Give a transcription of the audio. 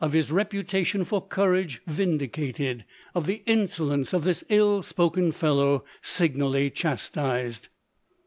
^ reputation for courage vindicated — of the inso lence of this ill spoken fellow signally chastised.